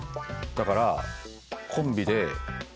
だからあ！